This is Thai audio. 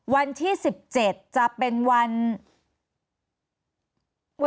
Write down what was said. วันที่๑๗จะเป็นวัน